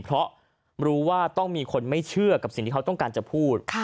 เพราะรู้ว่าต้องมีคนไม่เชื่อกับสิ่งที่เขาต้องการจะพูด